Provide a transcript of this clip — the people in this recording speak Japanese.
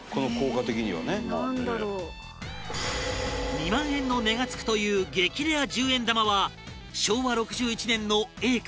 ２万円の値が付くという激レア十円玉は昭和６１年のＡか？